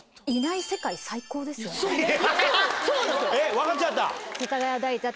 分かっちゃった。